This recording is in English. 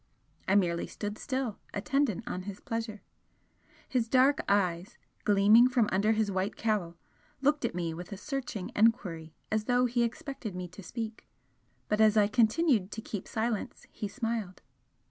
I merely stood still, attendant on his pleasure. His dark eyes, gleaming from under his white cowl, looked at me with a searching enquiry as though he expected me to speak, but as I continued to keep silence, he smiled.